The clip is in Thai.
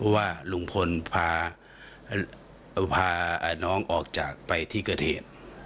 เพราะว่าลุงพลพาน้องออกจากไปที่เกิดเหตุ